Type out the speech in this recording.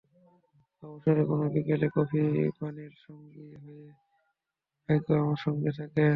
অবসরের কোনো বিকেলের কফি পানের সঙ্গী হয়েছে মাইকো আমার সঙ্গে থাকে।